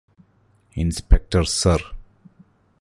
inspector sir